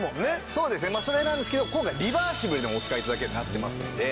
そうですねそれなんですけど今回リバーシブルでもお使い頂けるようになってますんで。